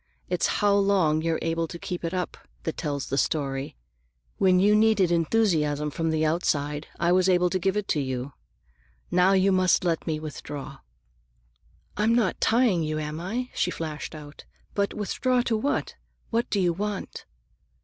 It's how long you're able to keep it up that tells the story. When you needed enthusiasm from the outside, I was able to give it to you. Now you must let me withdraw." "I'm not tying you, am I?" she flashed out. "But withdraw to what? What do you want?"